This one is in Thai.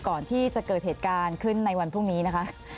ก่อนที่จะเกิดเหตุการณ์ขึ้นในวันพรุ่งนี้นะคะ